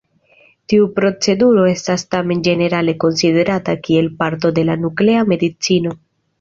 Tiu proceduro estas tamen ĝenerale konsiderata kiel parto de la Nuklea Medicino.